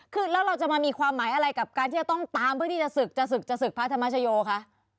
คือแล้วเราจะมามีความหมายอะไรกับการที่จะต้องตามเพื่อที่จะศึกจะศึกจะศึกพระธรรมชโยคะ